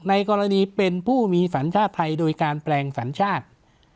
ในกรณีเป็นผู้มีสัญชาติไทยโดยการแปลงสัญชาติ